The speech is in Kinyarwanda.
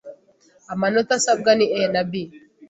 amanota asabwa, ni a-b